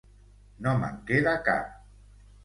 No me'n queda cap.